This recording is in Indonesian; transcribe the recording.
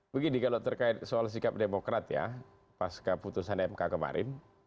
begini kalau terkait soal sikap demokrat ya pas keputusan mk kemarin